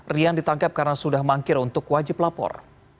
rian ditangkap karena sudah mangkir untuk wajib lapor